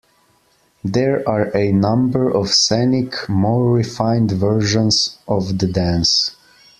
There are a number of scenic, more refined versions of the dance.